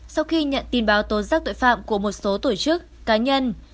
sau khi nhận tin báo tố giác tội phạm của một số tổ chức cá nhân